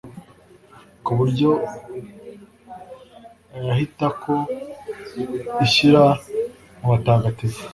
ku buryo yahitako inshyira mu batagatifu